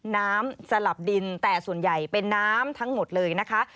น้ำสลับดินแต่ส่วนใหญ่เป็นน้ำทั้งหมดเลยนะคะ